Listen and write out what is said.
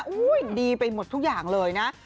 ดีไปหมดทุกอย่างเลยนะ